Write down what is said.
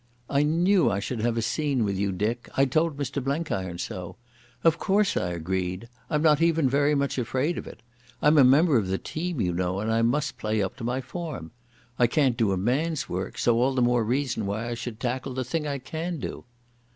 "I knew I should have a scene with you, Dick. I told Mr Blenkiron so.... Of course I agreed. I'm not even very much afraid of it. I'm a member of the team, you know, and I must play up to my form. I can't do a man's work, so all the more reason why I should tackle the thing I can do."